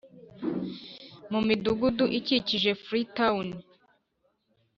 Mu midugudu ikikije freetown